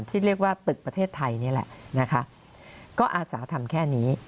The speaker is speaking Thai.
ที่เรียกว่าตึกประเทศไทยนี่แหละนะคะก็อาสาทำแค่นี้